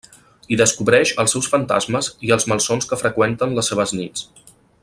Hi descobreix els seus fantasmes i els malsons que freqüenten les seves nits.